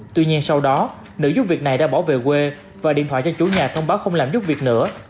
tuy nhiên sau đó nữ giúp việc này đã bỏ về quê và điện thoại cho chủ nhà thông báo không làm giúp việc nữa